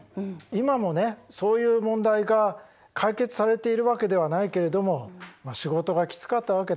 今もねそういう問題が解決されているわけではないけれども仕事がきつかったわけだ。